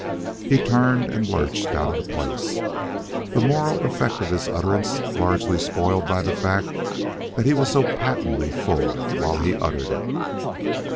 He turned and lurched out of the place, the moral effect of his utterance largely spoiled by the fact that he was so patently full while he uttered it.